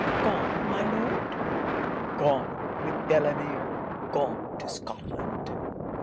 'Gone! my Lord?' 'Gone with Delamere! Gone to Scotland!'